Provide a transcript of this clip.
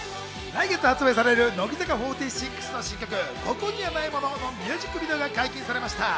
来月発売される乃木坂４６の新曲『ここにはないもの』のミュージックビデオが解禁されました。